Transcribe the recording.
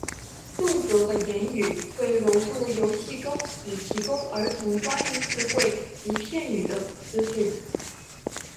动作和言语会融入游戏中以提供儿童关于字汇及片语的资讯。